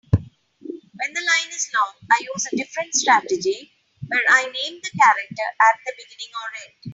When the line is long, I use a different strategy where I name the character at the beginning or end.